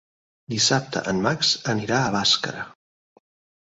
Dissabte en Max anirà a Bàscara.